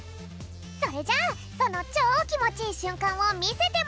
それじゃあそのチョーきもちいいしゅんかんをみせてもらおう！